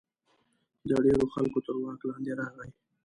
د ډېرو خلکو تر واک لاندې راغی.